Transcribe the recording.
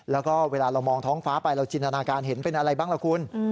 แล้วก็เวลาเรามองท้องฟ้าไปเราจินตนาการเห็นเป็นอะไรบ้างล่ะคุณ